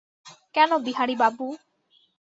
কেন, বিহারীবাবু।